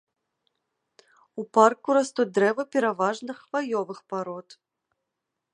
У парку растуць дрэвы пераважна хваёвых парод.